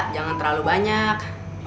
jangan terlalu banyak